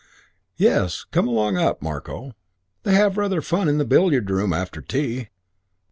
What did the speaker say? "Yes, come along up, Marko. They have rather fun in the billiard room after tea."